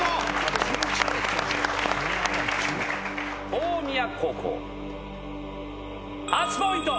大宮高校８ポイント。